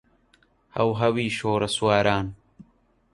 هەوهەوی شۆڕەسواران